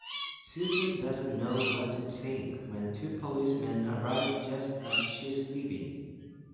Susan doesn't know what to think when two policemen arrive just as she's leaving.